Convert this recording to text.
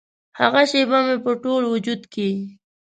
هغه شیبه مې په ټول وجود کې